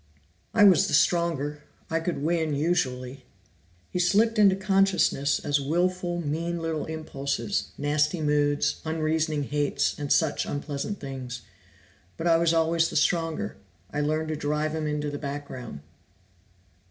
"I was the stronger; I could win usually. He slipped into consciousness as wilful, mean little impulses, nasty moods, unreasoning hates and such unpleasant things. But I was always the stronger: I learned to drive him into the background."